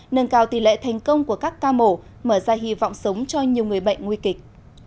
nâng cao tỷ lệ thành công của các ca mổ mở ra hy vọng sống cho nhiều người bệnh nguy kịch